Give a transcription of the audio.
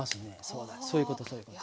そうだそういうことそういうこと。